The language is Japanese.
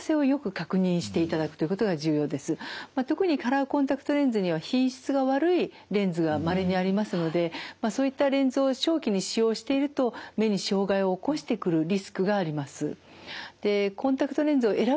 まあ特にカラーコンタクトレンズには品質が悪いレンズがまれにありますのでそういったレンズを長期に使用していると目に障害を起こしてくるリスクがあります。